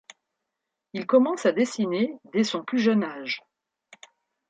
Il commence à dessiner dès son plus jeune âge.